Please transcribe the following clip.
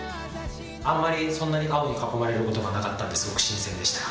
あんまりそんなに青に囲まれることがなかったので、すごく新鮮でした。